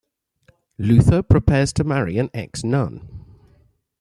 Luther prepares to marry an ex-nun.